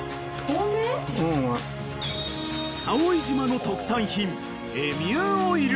［蓋井島の特産品］